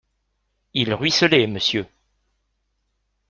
Il ruisselait, monsieur!